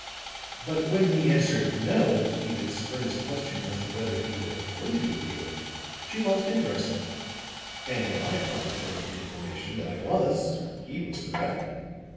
"But when he answered 'No' to Edyth's earnest question as to whether he were acquainted with you, she lost interest; and when I promptly furnished the information that I was, he was forgotten.